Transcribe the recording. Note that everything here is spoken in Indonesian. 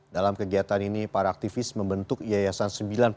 dalam kegiatan ini para aktivis membentuk yayasan sembilan